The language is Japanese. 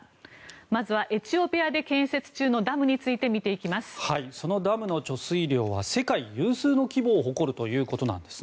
まずは、エチオピアで建設中のダムについてそのダムの貯水量は世界有数の規模を誇るということなんです。